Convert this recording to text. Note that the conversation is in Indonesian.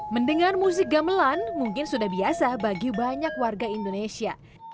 mendengar musik gamelan mungkin sudah biasa bagi banyak warga indonesia